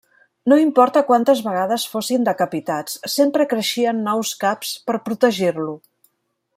No importa quantes vegades fossin decapitats, sempre creixien nous caps per protegir-lo.